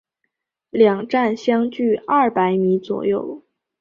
两站相距二百米左右。